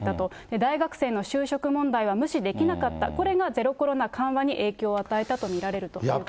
大学生の就職問題は無視できなかった、これがゼロコロナ緩和に影響を与えたと見られるということです。